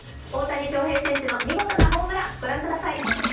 大谷翔平選手の見事なホームラン御覧ください。